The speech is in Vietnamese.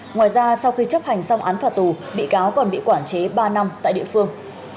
ngoài ra sau khi chấp hành xong án phạt tù bị cáo còn bị quản chế ba năm tại địa phương